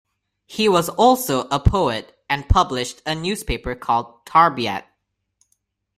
He was also a poet and published a newspaper called Tarbiat.